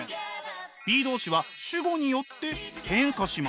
ｂｅ動詞は主語によって変化します。